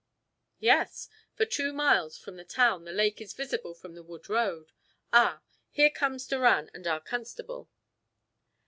"Yes. For two miles from the town the lake is visible from the wood road. Ah! here comes Doran and our constable."